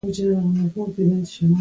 تیمورشاه راته وویل دا ښه نه دی.